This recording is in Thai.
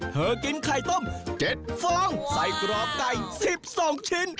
เธอกินไข่ต้มเจ็ดฟองใส่กรอกไก่๑๒ชิ้น